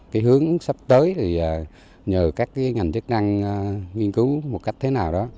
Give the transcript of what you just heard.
cái hướng sắp tới thì nhờ các cái ngành chức năng nghiên cứu một cách thế nào đó